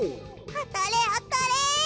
あたれあたれ。